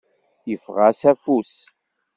Yeffeɣ-as afus.